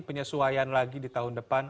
penyesuaian lagi di tahun depan